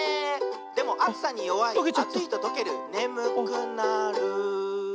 「でもあつさによわいあついととけるねむくなる」